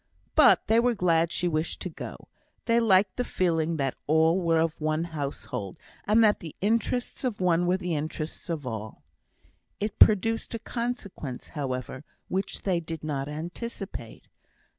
But they were glad she wished to go; they liked the feeling that all were of one household, and that the interests of one were the interests of all. It produced a consequence, however, which they did not anticipate.